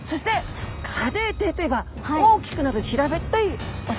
砂泥底といえば大きくなる平べったいお魚。